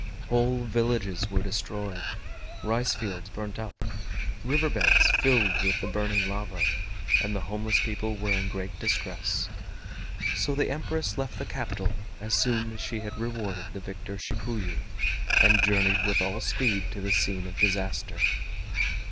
Whole villages were destroyed, rice fields burnt up, river beds filled with the burning lava, and the homeless people were in great distress. So the Empress left the capital as soon as she had rewarded the victor Shikuyu, and journeyed with all speed to the scene of disaster.